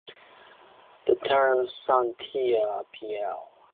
The term sonatina, pl.